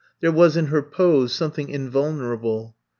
There was in her pose something invulnerable.